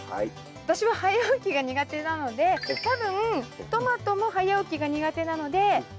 私は早起きが苦手なので多分トマトも早起きが苦手なので昼だと思います。